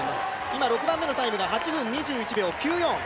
今、６番目のタイムが８分２１秒９４。